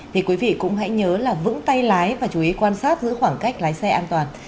thì quý vị cũng hãy nhớ là vững tay lái và chú ý quan sát giữa khoảng cách lái xe an toàn